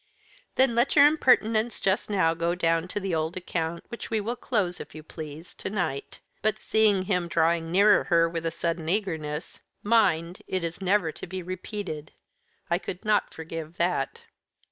"Then let your impertinence just now go down to the old account, which we will close, if you please, to night. But," seeing him drawing nearer her with a sudden eagerness, "mind, it is never to be repeated. I could not forgive that."